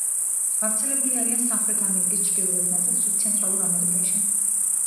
გავრცელებული არიან სამხრეთ ამერიკის ჩრდილოეთ ნაწილში, ცენტრალურ ამერიკაში.